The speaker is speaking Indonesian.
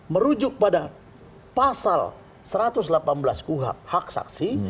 merujuk pada pasal satu ratus delapan belas hak saksi